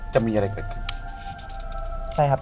ใช่ครับ